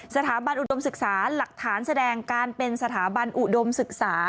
สถาบันอุดมศึกษาหลักฐานแสดงการเป็นสถาบันอุดมศึกษา